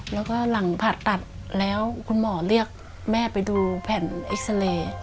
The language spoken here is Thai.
แล้วก็หลังผ่าตัดแล้วคุณหมอเรียกแม่ไปดูแผ่นเอ็กซาเรย์